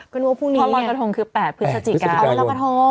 ก็หนูว่าพรุ่งนี้พ่อลอยกฐงคือ๘พฤศจิกายนแล้วกฐงเออพี่